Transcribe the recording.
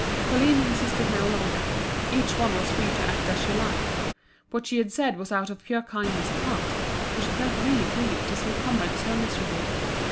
Pauline insisted no longer. Each one was free to act as she liked. What she had said was out of pure kindness of heart, for she felt really grieved to see a comrade so miserable.